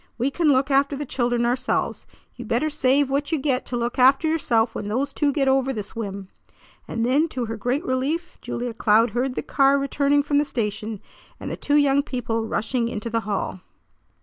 We can look after the children ourselves. You better save what you get to look after yourself when those two get over this whim!" And then to her great relief Julia Cloud heard the car returning from the station, and the two young people rushing into the hall.